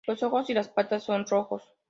Los ojos y las patas son rojos.